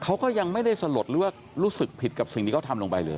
เขาก็ยังไม่ได้สลดหรือว่ารู้สึกผิดกับสิ่งที่เขาทำลงไปเลย